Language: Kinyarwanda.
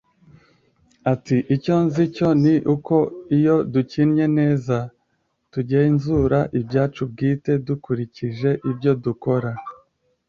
ati: icyo nzi cyo ni uko iyo dukinnye neza, tugenzura ibyacu bwite dukurikije ibyo dukora